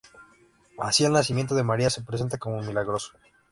Así el nacimiento de María se presenta como milagroso.